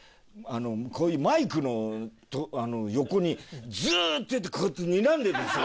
こういうマイクの横にずっといてこうやってにらんでるんですよ。